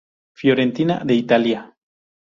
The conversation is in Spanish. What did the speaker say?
Fiorentina de Italia.